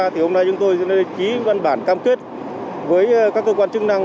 thì hôm nay chúng tôi ký văn bản cam kết với các cơ quan chức năng